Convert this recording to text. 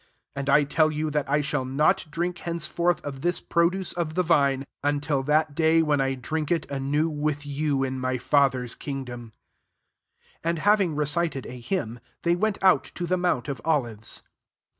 29 And. I tell you> that I shall not drink, henceforth, of this produce of the vme, until that day when I drink it anew with you, in my Father's kingdom." 50 And having recited a hymn, they went out to the mount of Olives.